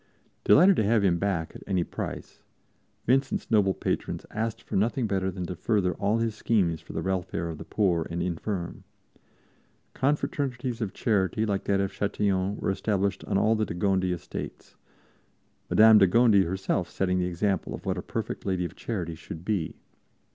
Delighted to have him back at any price, Vincent's noble patrons asked for nothing better than to further all his schemes for the welfare of the poor and infirm. Confraternities of charity like that of Châtillon were established on all the de Gondi estates, Madame de Gondi herself setting the example of what a perfect Lady of Charity should be.